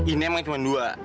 ini emang cuma dua